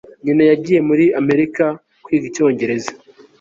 nyina yagiye muri amerika kwiga icyongereza